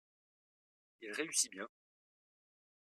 Il réussit bien.